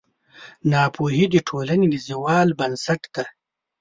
ناپوهي د ټولنې د زوال بنسټ دی.